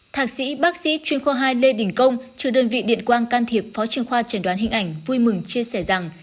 thạc sĩ bác sĩ chuyên khoa hai lê đình công chủ đơn vị điện quang can thiệp phó chuyên khoa trần đoán hình ảnh vui mừng chia sẻ rằng